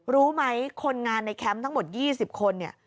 รู้ไหมคนงานในแคมป์ทั้งหมด๒๐คนเนี่ย